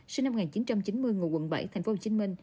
sinh năm một nghìn chín trăm chín mươi ngồi quận bảy tp hcm